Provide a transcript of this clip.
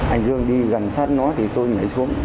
anh dương đi gần sát nó thì tôi nhảy xuống